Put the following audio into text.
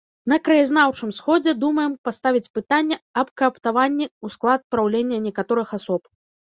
На краязнаўчым сходзе думаем паставіць пытанне аб кааптаванні ў склад праўлення некаторых асоб.